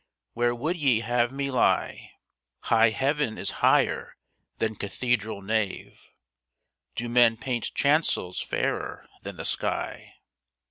Where would ye have me lie? High heaven is higher than cathedral nave: Do men paint chancels fairer than the sky?"